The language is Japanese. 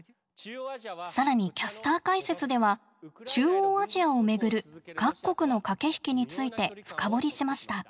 更にキャスター解説では中央アジアをめぐる各国の駆け引きについて深掘りしました。